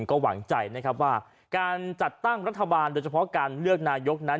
ก็หวังใจนะครับว่าการจัดตั้งรัฐบาลโดยเฉพาะการเลือกนายกนั้น